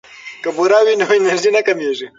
که بوره وي نو انرژي نه کمیږي.